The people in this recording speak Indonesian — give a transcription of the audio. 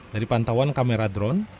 dari pantauan kamera drone